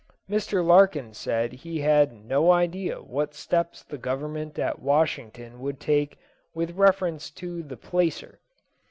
Mr. Larkin said he had no idea what steps the Government at Washington would take with reference to the "placer."